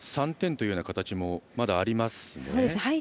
３点という形もまだありますね。